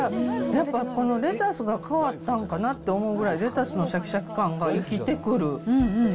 やっぱこのレタスが変わったんかなと思うぐらい、レタスのしゃきしゃき感が生きてくる。